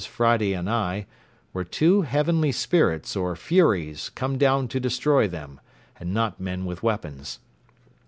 Friday and I—were two heavenly spirits, or furies, come down to destroy them, and not men with weapons.